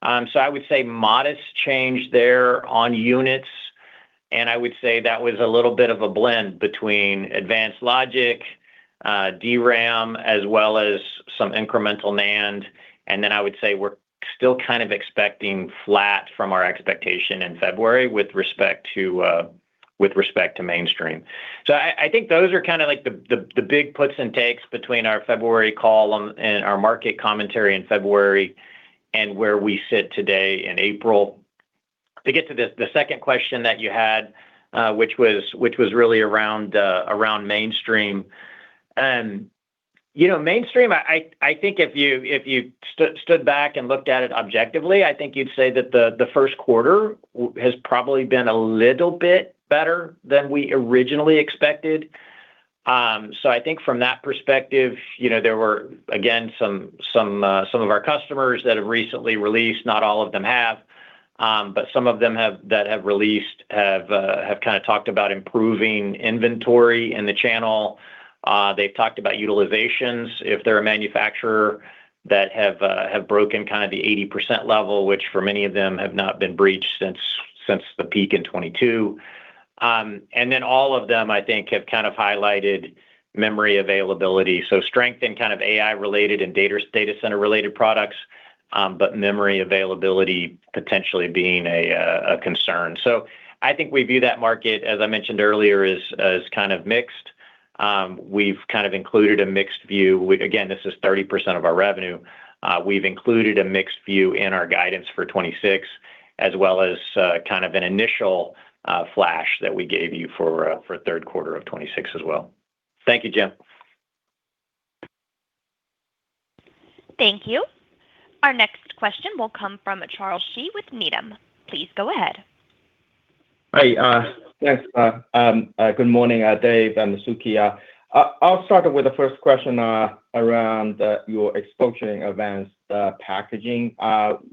[SPEAKER 3] I would say modest change there on units. I would say that was a little bit of a blend between advanced logic, DRAM, as well as some incremental NAND. I would say we're still kind of expecting flat from our expectation in February with respect to mainstream. I think those are kind of like the big puts and takes between our February call and our market commentary in February and where we sit today in April. To get to the second question that you had, which was really around mainstream. You know, mainstream, I think if you stood back and looked at it objectively, I think you'd say that the first quarter has probably been a little bit better than we originally expected. I think from that perspective, you know, there were, again, some of our customers that have recently released, not all of them have, but some of them that have released have kind of talked about improving inventory in the channel. They've talked about utilizations, if they're a manufacturer that have broken kind of the 80% level, which for many of them have not been breached since the peak in 2022. All of them, I think, have kind of highlighted memory availability. Strength in kind of AI-related and data center-related products, but memory availability potentially being a concern. I think we view that market, as I mentioned earlier, as kind of mixed. We've kind of included a mixed view. Again, this is 30% of our revenue. We've included a mixed view in our guidance for 2026, as well as kind of an initial flash that we gave you for third quarter of 2026 as well. Thank you, Jim.
[SPEAKER 1] Thank you. Our next question will come from Charles Shi with Needham. Please go ahead.
[SPEAKER 9] Hi. Thanks. Good morning, Dave and Sukhi. I'll start with the first question around your exposure in advanced packaging.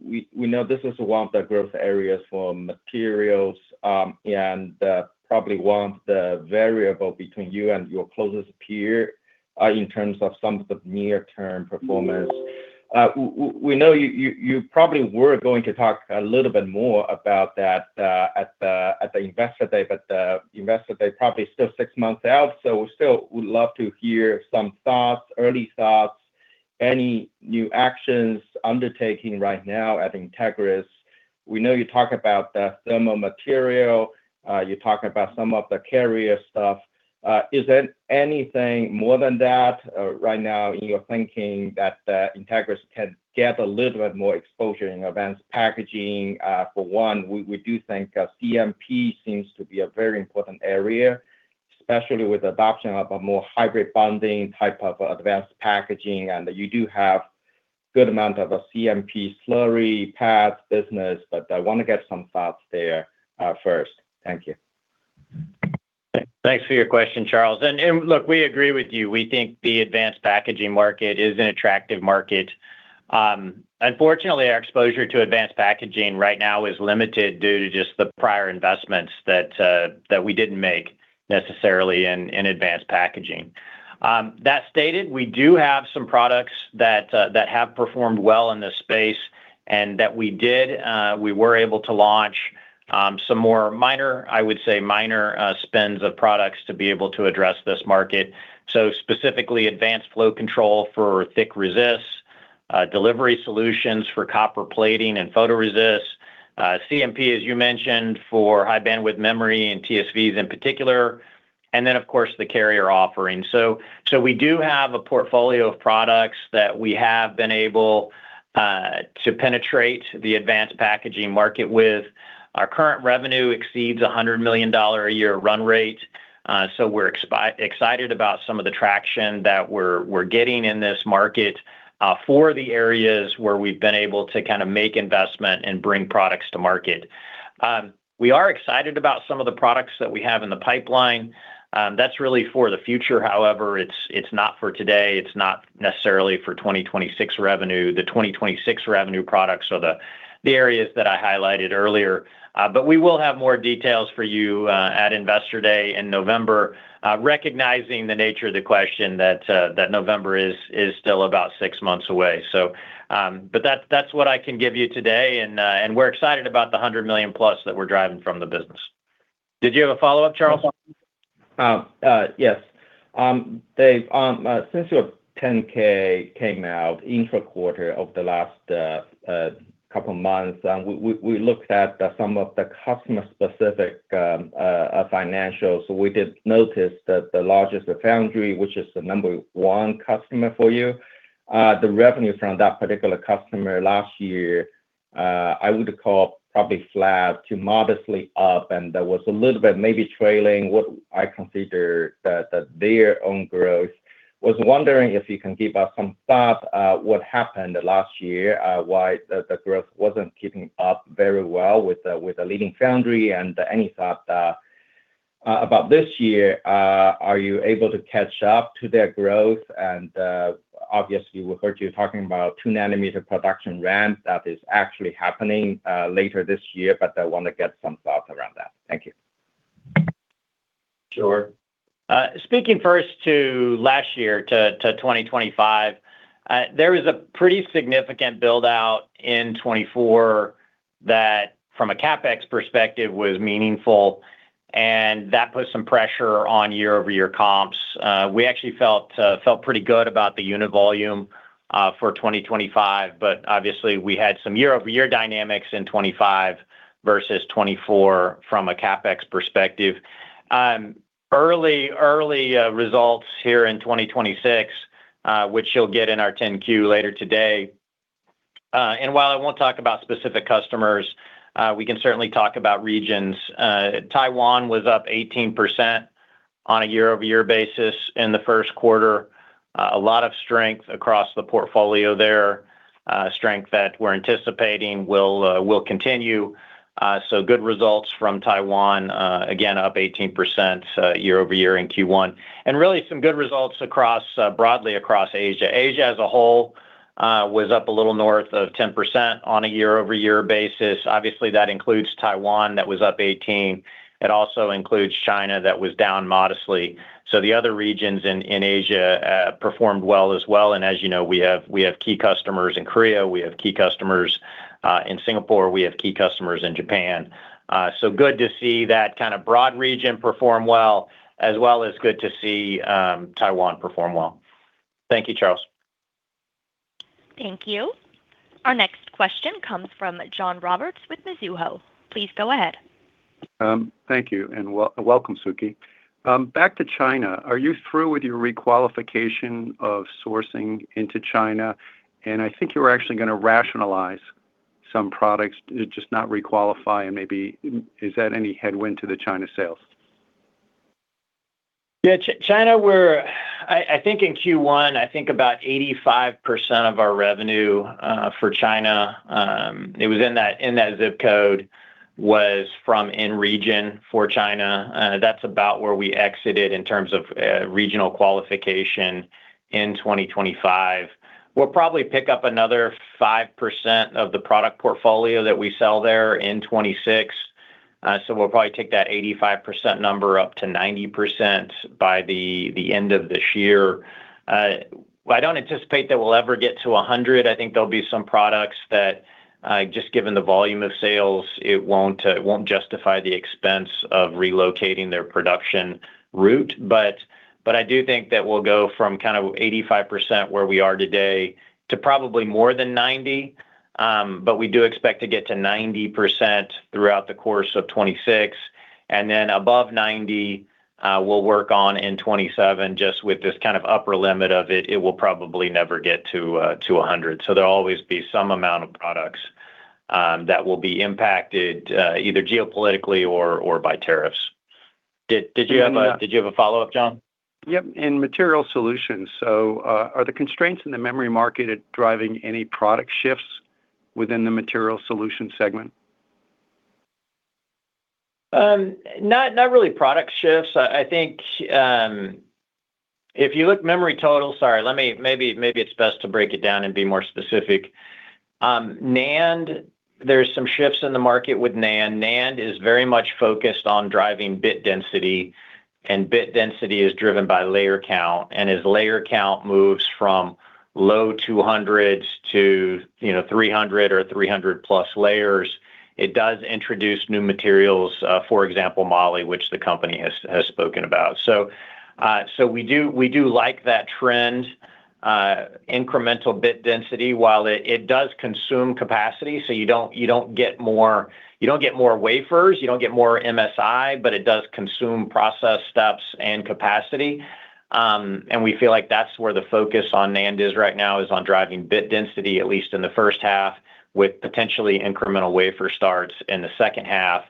[SPEAKER 9] We know this is one of the growth areas for materials, and probably one of the variable between you and your closest peer in terms of some of the near-term performance. We know you probably were going to talk a little bit more about that at the Investor Day, but the Investor Day probably still six months out, we still would love to hear some thoughts, early thoughts, any new actions undertaking right now at Entegris. We know you talk about the thermal material, you talk about some of the carrier stuff. Is there anything more than that, right now in your thinking that Entegris can get a little bit more exposure in advanced packaging? For one, we do think, CMP seems to be a very important area, especially with adoption of a more hybrid bonding type of advanced packaging, and you do have good amount of a CMP slurry pad business, but I wanna get some thoughts there, first. Thank you.
[SPEAKER 3] Thanks for your question, Charles. Look, we agree with you. We think the advanced packaging market is an attractive market. Unfortunately, our exposure to advanced packaging right now is limited due to just the prior investments that we didn't make necessarily in advanced packaging. That stated, we do have some products that have performed well in this space and that we did, we were able to launch some more minor spends of products to be able to address this market. Specifically advanced flow control for thick resists, delivery solutions for copper plating and photoresist, CMP, as you mentioned, for high bandwidth memory and TSVs in particular, and then of course the carrier offering. We do have a portfolio of products that we have been able to penetrate the advanced packaging market with. Our current revenue exceeds a $100 million a year run rate. We're excited about some of the traction that we're getting in this market for the areas where we've been able to kind of make investment and bring products to market. We are excited about some of the products that we have in the pipeline. That's really for the future, however. It's not for today. It's not necessarily for 2026 revenue. The 2026 revenue products are the areas that I highlighted earlier. We will have more details for you at Investor Day in November, recognizing the nature of the question that November is still about six months away. That's, that's what I can give you today, and we're excited about the $100 million+ that we're driving from the business. Did you have a follow-up, Charles?
[SPEAKER 9] Yes. Dave, since your 10-K came out intra-quarter of the last couple of months, we looked at the some of the customer specific financials. We did notice that the largest foundry, which is the number one customer for you, the revenue from that particular customer last year, I would call probably flat to modestly up, and that was a little bit maybe trailing what I consider their own growth. Was wondering if you can give us some thoughts, what happened last year, why the growth wasn't keeping up very well with the leading foundry, and any thoughts about this year. Are you able to catch up to their growth? Obviously we heard you talking about 2-nm production ramp that is actually happening later this year, but I wanna get some thoughts around that. Thank you.
[SPEAKER 3] Sure. Speaking first to last year to 2025, there was a pretty significant build-out in 2024 that from a CapEx perspective was meaningful, and that put some pressure on year-over-year comps. We actually felt pretty good about the unit volume for 2025, but obviously we had some year-over-year dynamics in 2025 versus 2024 from a CapEx perspective. Early results here in 2026, which you'll get in our 10-Q later today. While I won't talk about specific customers, we can certainly talk about regions. Taiwan was up 18% on a year-over-year basis in the first quarter. A lot of strength across the portfolio there, strength that we're anticipating will continue. Good results from Taiwan, again up 18%, year-over-year in Q1. Really some good results across broadly across Asia. Asia as a whole was up a little north of 10% on a year-over-year basis. Obviously, that includes Taiwan, that was up 18%. It also includes China, that was down modestly. The other regions in Asia performed well as well. As you know, we have key customers in Korea, we have key customers in Singapore, we have key customers in Japan. Good to see that kind of broad region perform well, as well as good to see Taiwan perform well. Thank you, Charles.
[SPEAKER 1] Thank you. Our next question comes from John Roberts with Mizuho. Please go ahead.
[SPEAKER 10] Thank you, and welcome, Sukhi. Back to China, are you through with your re-qualification of sourcing into China? I think you were actually gonna rationalize some products, just not re-qualify. Is that any headwind to the China sales?
[SPEAKER 3] Yeah, China, I think in Q1, I think about 85% of our revenue for China, it was in that ZIP code was from in region for China. That's about where we exited in terms of regional qualification in 2025. We'll probably pick up another 5% of the product portfolio that we sell there in 2026. We'll probably take that 85% number up to 90% by the end of this year. I don't anticipate that we'll ever get to 100%. I think there'll be some products that just given the volume of sales, it won't justify the expense of relocating their production route. I do think that we'll go from kind of 85% where we are today to probably more than 90%. We do expect to get to 90% throughout the course of 2026. Then above 90%, we'll work on in 2027 just with this kind of upper limit of it. It will probably never get to 100%. There'll always be some amount of products that will be impacted either geopolitically or by tariffs.
[SPEAKER 10] And, uh-
[SPEAKER 3] Did you have a follow-up, John?
[SPEAKER 10] Yep. In Materials Solutions, are the constraints in the memory market driving any product shifts within the Materials Solutions segment?
[SPEAKER 3] Not really product shifts. I think, if you look memory total, maybe it's best to break it down and be more specific. NAND, there's some shifts in the market with NAND. NAND is very much focused on driving bit density. Bit density is driven by layer count. As layer count moves from low 200s to, you know, 300 or 300+ layers, it does introduce new materials, for example, moly, which the company has spoken about. We do like that trend, incremental bit density while it does consume capacity. You don't get more, you don't get more wafers, you don't get more MSI, but it does consume process steps and capacity. We feel like that's where the focus on NAND is right now, is on driving bit density, at least in the first half, with potentially incremental wafer starts in the second half.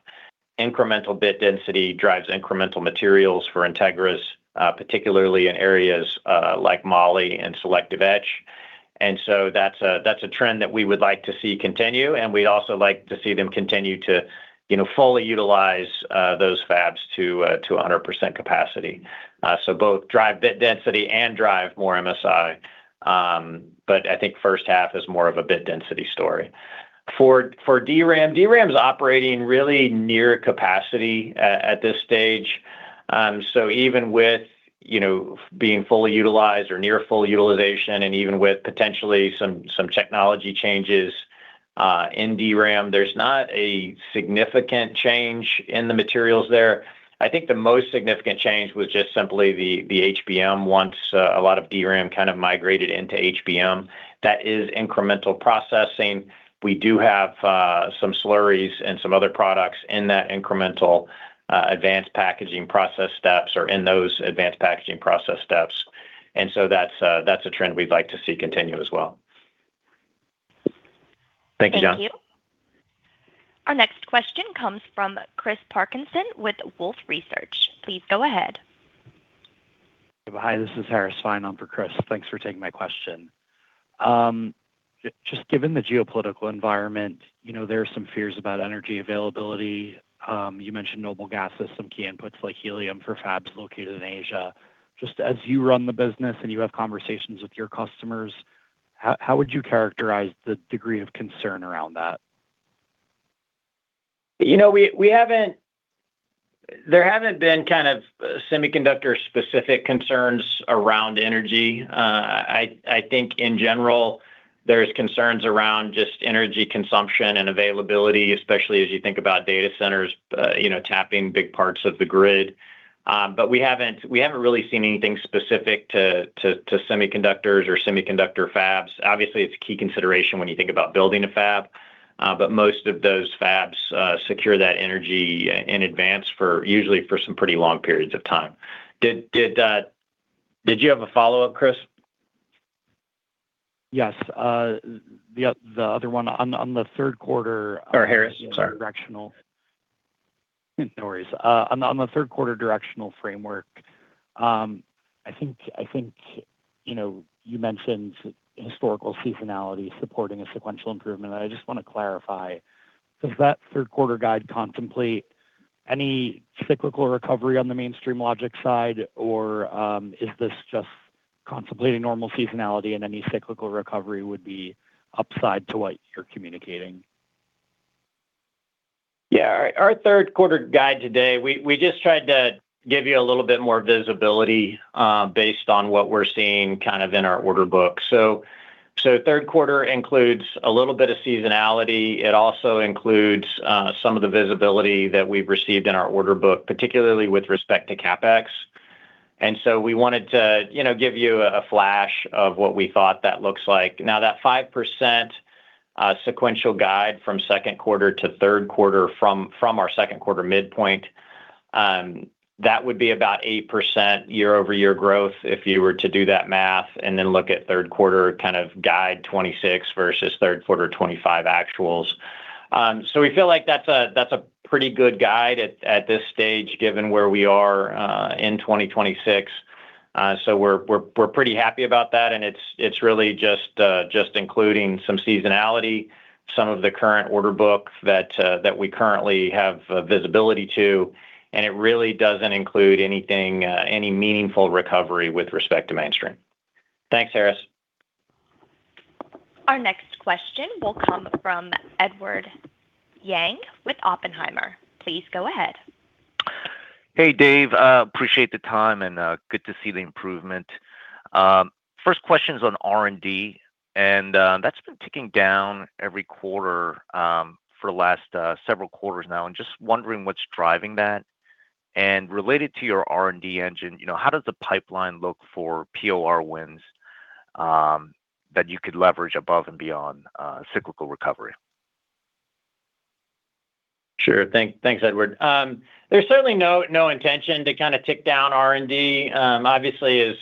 [SPEAKER 3] Incremental bit density drives incremental materials for Entegris, particularly in areas like moly and selective etch. That's a trend that we would like to see continue, and we'd also like to see them continue to, you know, fully utilize those fabs to 100% capacity. Both drive bit density and drive more MSI. I think first half is more of a bit density story. For DRAM's operating really near capacity at this stage. Even with, you know, being fully utilized or near full utilization and even with potentially some technology changes in DRAM, there's not a significant change in the materials there. I think the most significant change was just simply the HBM once a lot of DRAM kind of migrated into HBM. That is incremental processing. We do have some slurries and some other products in that incremental advanced packaging process steps or in those advanced packaging process steps. That's a trend we'd like to see continue as well. Thank you, John.
[SPEAKER 1] Thank you. Our next question comes from Chris Parkinson with Wolfe Research. Please go ahead.
[SPEAKER 11] Hi, this is Harris Fein on for Chris. Thanks for taking my question. Just given the geopolitical environment, you know, there are some fears about energy availability. You mentioned noble gases, some key inputs like helium for fabs located in Asia. Just as you run the business and you have conversations with your customers, how would you characterize the degree of concern around that?
[SPEAKER 3] You know, there haven't been kind of semiconductor-specific concerns around energy. I think in general, there's concerns around just energy consumption and availability, especially as you think about data centers, you know, tapping big parts of the grid. We haven't really seen anything specific to semiconductors or semiconductor fabs. Obviously, it's a key consideration when you think about building a fab. Most of those fabs secure that energy in advance for usually for some pretty long periods of time. Did you have a follow-up, Chris?
[SPEAKER 11] Yes. The other one on the third quarter.
[SPEAKER 3] Oh Harris, I'm sorry.
[SPEAKER 11] Directional. No worries. On the third quarter directional framework, I think, you know, you mentioned historical seasonality supporting a sequential improvement. I just want to clarify, does that third quarter guide contemplate any cyclical recovery on the mainstream logic side, or is this just contemplating normal seasonality and any cyclical recovery would be upside to what you're communicating?
[SPEAKER 3] Yeah. Our third quarter guide today, we just tried to give you a little bit more visibility, based on what we're seeing kind of in our order book. third quarter includes a little bit of seasonality. It also includes some of the visibility that we've received in our order book, particularly with respect to CapEx. We wanted to, you know, give you a flash of what we thought that looks like. Now, that 5% sequential guide from second quarter to third quarter from our second quarter midpoint, that would be about 8% year-over-year growth if you were to do that math and then look at third quarter kind of guide 2026 versus third quarter 2025 actuals. We feel like that's a, that's a pretty good guide at this stage, given where we are in 2026. We're pretty happy about that. It's really just including some seasonality, some of the current order book that we currently have visibility to. It really doesn't include anything, any meaningful recovery with respect to mainstream. Thanks, Harris.
[SPEAKER 1] Our next question will come from Edward Yang with Oppenheimer. Please go ahead.
[SPEAKER 12] Hey, Dave. Appreciate the time, good to see the improvement. First question is on R&D, that's been ticking down every quarter for the last several quarters now. I'm just wondering what's driving that. Related to your R&D engine, you know, how does the pipeline look for POR wins that you could leverage above and beyond cyclical recovery?
[SPEAKER 3] Sure. Thanks, Edward. There's certainly no intention to kinda tick down R&D. Obviously, if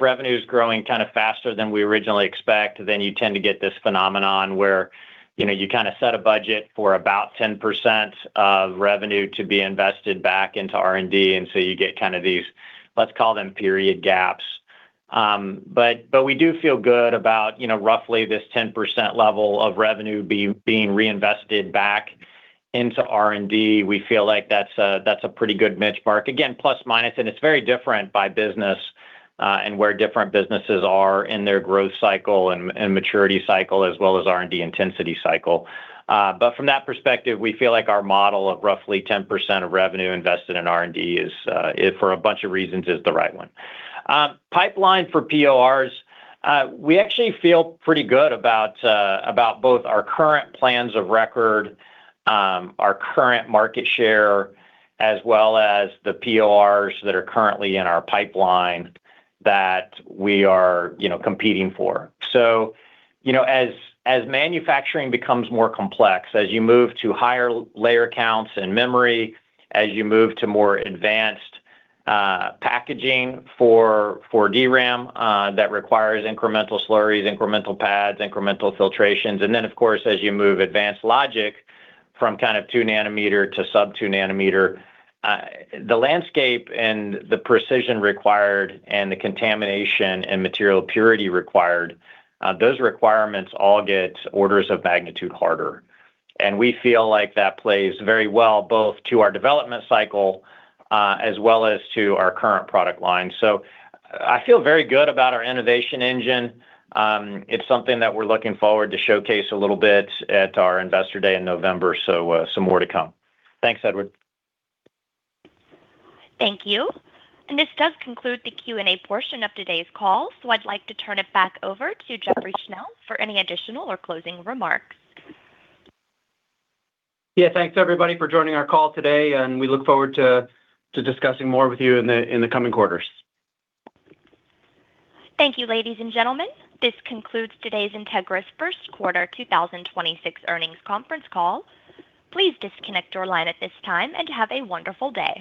[SPEAKER 3] revenue is growing kinda faster than we originally expect, you tend to get this phenomenon where, you know, you kinda set a budget for about 10% of revenue to be invested back into R&D. You get kind of these, let's call them period gaps. We do feel good about, you know, roughly this 10% level of revenue being reinvested back into R&D. We feel like that's a pretty good benchmark. Again, plus minus, and it's very different by business, and where different businesses are in their growth cycle and maturity cycle, as well as R&D intensity cycle. From that perspective, we feel like our model of roughly 10% of revenue invested in R&D is, for a bunch of reasons, is the right one. Pipeline for PORs, we actually feel pretty good about both our current plans of record, our current market share, as well as the PORs that are currently in our pipeline that we are, you know, competing for. You know, as manufacturing becomes more complex, as you move to higher layer counts and memory, as you move to more advanced packaging for DRAM, that requires incremental slurries, incremental pads, incremental filtrations. Then, of course, as you move advanced logic from kind of 2-nm to sub 2-nm, the landscape and the precision required and the contamination and material purity required, those requirements all get orders of magnitude harder. We feel like that plays very well both to our development cycle, as well as to our current product line. I feel very good about our innovation engine. It's something that we're looking forward to showcase a little bit at our Investor Day in November. Some more to come. Thanks, Edward.
[SPEAKER 1] Thank you. This does conclude the Q&A portion of today's call. I'd like to turn it back over to Jeffrey Schnell for any additional or closing remarks.
[SPEAKER 2] Yeah. Thanks, everybody, for joining our call today. We look forward to discussing more with you in the coming quarters.
[SPEAKER 1] Thank you, ladies and gentlemen. This concludes today's Entegris First Quarter 2026 Earnings Conference Call. Please disconnect your line at this time and have a wonderful day.